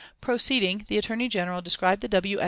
Proceeding, the Attorney General described the W.